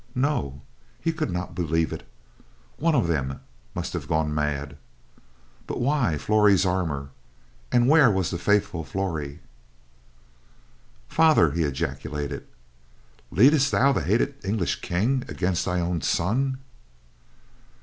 No, he could not believe it. One of them must have gone mad. But why Flory's armor and where was the faithful Flory? "Father!" he ejaculated, "leadest thou the hated English King against thine own son?"